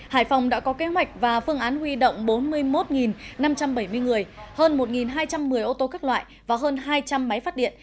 hải phòng đã có kế hoạch và phương án huy động bốn mươi một năm trăm bảy mươi người hơn một hai trăm một mươi ô tô các loại và hơn hai trăm linh máy phát điện